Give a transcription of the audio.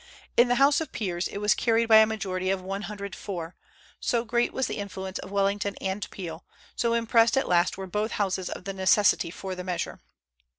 In the House of Peers, it was carried by a majority of 104, so great was the influence of Wellington and Peel, so impressed at last were both Houses of the necessity for the measure.